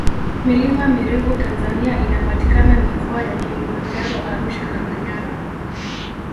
milima mirefu tanzania inapatikana mikoa ya kilimanjaro arusha na manyara